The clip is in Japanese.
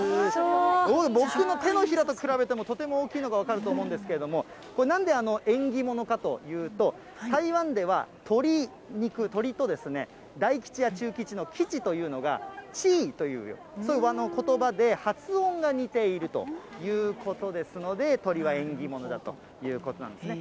僕の手のひらと比べてもとても大きいのが分かると思うんですけれども、これ、なんで縁起物かというと、台湾では鶏肉、鶏と、大吉や中吉の吉というのが、チーという、そういうことばで発音が似ているということですので、鶏は縁起物だということなんですね。